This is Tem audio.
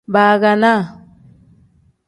Baaganaa.